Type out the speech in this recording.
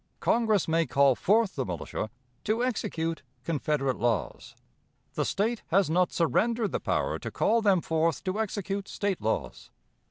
"Congress may call forth the militia to execute Confederate laws; the State has not surrendered the power to call them forth to execute State laws.